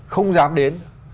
không dám đến